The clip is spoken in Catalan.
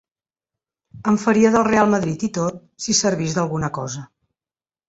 Em faria del Reial Madrid i tot, si servís d'alguna cosa.